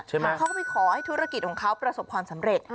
เขาก็ไปขอให้ธุรกิจของเขาประสบความสำเร็จ